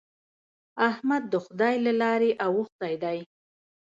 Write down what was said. احمد د خدای له لارې اوښتی دی.